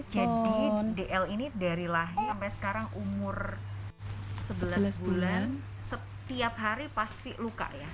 jadi dl ini dari lahir sampai sekarang umur sebelas bulan setiap hari pasti luka ya